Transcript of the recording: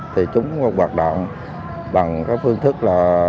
thì chúng hoạt động bằng các phương thức là